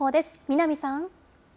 南さん。